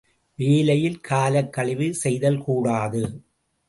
வேலையில் காலக்கழிவு செய்தல் கூடாது.